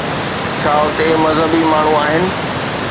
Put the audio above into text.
ڇا اتي مذهبي ماڻهو آهن؟